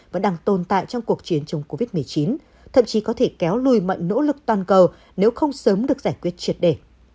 vẫn đang tồn tại trong cuộc chiến chống covid một mươi chín thậm chí có thể kéo lùi mọi nỗ lực toàn cầu nếu không sớm được giải quyết triệt đề